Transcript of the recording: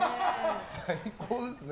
最高ですね。